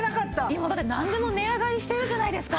今だってなんでも値上がりしてるじゃないですか。